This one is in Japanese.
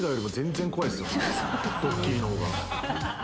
ドッキリの方が。